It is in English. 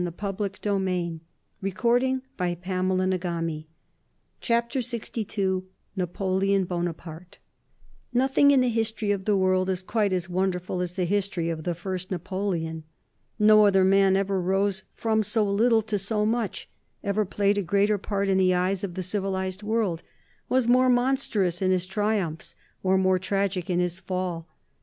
CHAPTER LXII. NAPOLEON BONAPARTE. [Sidenote: 1793 1815 The genius of the great Bonaparte] Nothing in the history of the world is quite as wonderful as the history of the first Napoleon. No other man ever rose from so little to so much, ever played a greater part in the eyes of the civilized world, was more monstrous in his triumphs or more tragic in his fall.